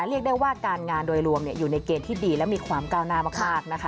เรียกได้ว่าการงานโดยรวมอยู่ในเกณฑ์ที่ดีและมีความก้าวหน้ามากนะคะ